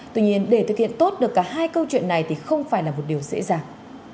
tuy nhiên để thực hiện tốt được cả hai câu chuyện này thì không phải là một điều dễ dàng